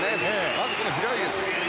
まず平泳ぎです。